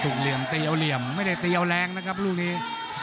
เหลี่ยมตีเอาเหลี่ยมไม่ได้ตีเอาแรงนะครับลูกนี้